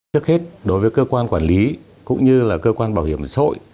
trước hết đối với cơ quan quản lý cũng như là cơ quan bảo hiểm xã hội